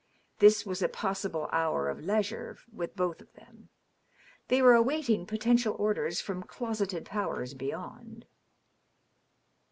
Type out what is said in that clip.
This was a possible hour of leisure with both of them. They were awaiting potential orders from closeted powers beyond.